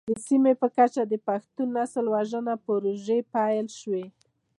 د سیمې په کچه د پښتون نسل وژنه پروژې پيل شوې.